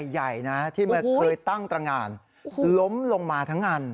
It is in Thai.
ใหญ่นะที่เคยตั้งตรงานล้มลงมาทั้งอัน